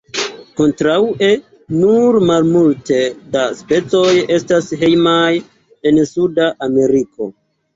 Kontraŭe nur malmulte da specoj estas hejmaj en suda Ameriko.